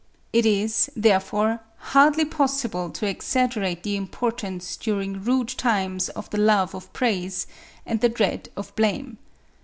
It is, therefore, hardly possible to exaggerate the importance during rude times of the love of praise and the dread of blame.